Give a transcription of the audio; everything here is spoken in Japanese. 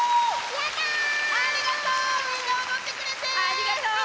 ありがとう！